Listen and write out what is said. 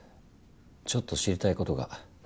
ちょっと知りたいことが。